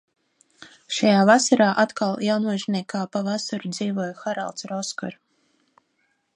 Šajā vasarā atkal Jaunmuižniekā pa vasaru dzīvoja Haralds ar Oskaru.